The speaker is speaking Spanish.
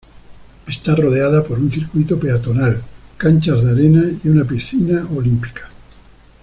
Está rodeada por un circuito peatonal, canchas de arena y una piscina olímpica.